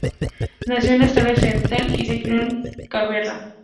Nació en Australia Occidental y se crio en Canberra.